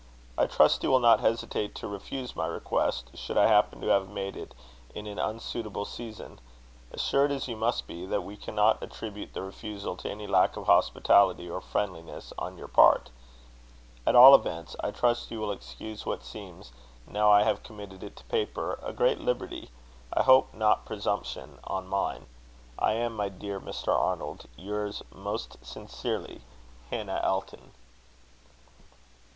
I trust you will not hesitate to refuse my request, should I happen to have made it at an unsuitable season; assured, as you must be, that we cannot attribute the refusal to any lack of hospitality or friendliness on your part. At all events, I trust you will excuse what seems now I have committed it to paper a great liberty, I hope not presumption, on mine. I am, my dear Mr. Arnold, "Yours most sincerely, "HANNAH ELTON."